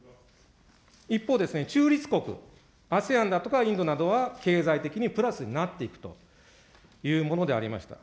一方で、中立国、ＡＳＥＡＮだとかインドなどは、経済的にプラスになっていくというものでありました。